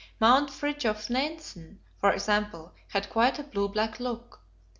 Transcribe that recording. Mount Fridtjof Nansen, for example, had quite a blue black look.